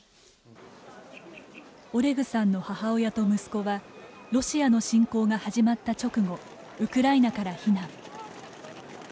オレグさんの母親と息子はロシアの侵攻が始まった直後ウクライナから避難。